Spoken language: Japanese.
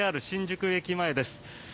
ＪＲ新宿駅前です。